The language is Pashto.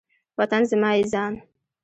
وطن زما یی ځان